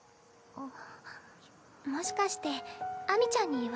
あっ！